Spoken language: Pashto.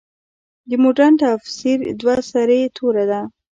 د مډرن تفسیر دوه سرې توره ده.